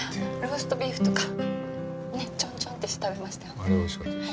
ローストビーフとかねっチョンチョンってして食べましたよね。